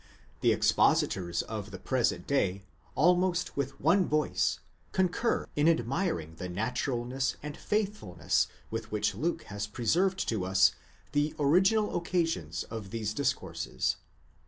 The expositors of the present day, almost with one voice, concur in admiring the naturalness and faithfulness with which Luke has preserved to us the original occasions of these discourses.